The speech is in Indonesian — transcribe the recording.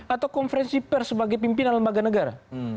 atau konferensi pers sebagai pimpinan lembaga negara